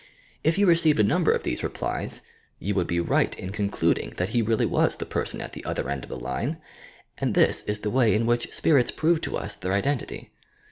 If you received a number of these replies, you would be right in concluding that he really was the person at the "other end of the line"; and this is the way in which spirits prove to us their identity.